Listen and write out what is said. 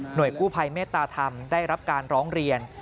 โดยกู้ภัยเมตตาธรรมได้รับการร้องเรียน